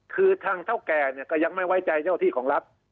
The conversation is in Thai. คือทางเท่าแก่เนี่ยก็ยังไม่ไว้ใจเจ้าที่ของรัฐ